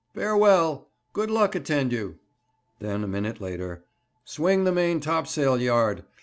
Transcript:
Farewell! Good luck attend you!' Then, a minute later, 'Swing the main topsail yard!